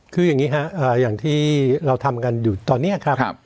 คืออย่างนี้ครับอย่างที่เราทำกันอยู่ตอนนี้ครับ